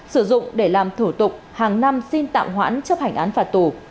sử dụng để làm thủ tục hàng năm xin tạm hoãn chấp hành án phạt tù